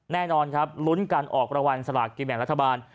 แน่นอนครับลุ้นการออกรางวัลสลากกินแบ่งรัฐบาล